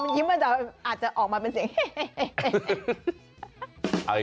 ไม่ต้องมันยิ้มอาจจะออกมาเป็นเสียงแฮ